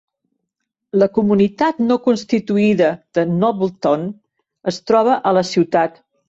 La comunitat no constituïda de Nobleton es troba a la ciutat.